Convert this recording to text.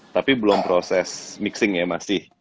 tapi belum proses mixing ya masih